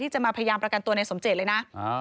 จะมาพยายามประกันตัวในสมเจตเลยนะ